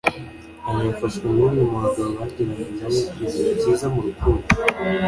aya yafashwe n’umwe mu bagabo bagiranye na we ibihe byiza mu rukundo